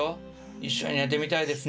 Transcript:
一緒に寝てみたいですね。